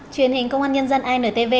truyền hình công an nhân dân antv